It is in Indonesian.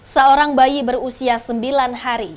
seorang bayi berusia sembilan hari